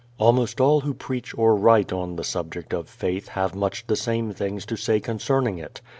Almost all who preach or write on the subject of faith have much the same things to say concerning it.